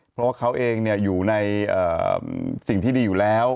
เพราะว่าเขาเองอยู่ในสิ่งที่ดีอยู่แล้ว